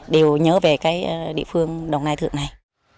đều nhớ về địa phương đồng nai thượng này